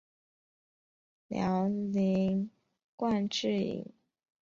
辽宁冠蛭蚓为蛭蚓科冠蛭蚓属的动物。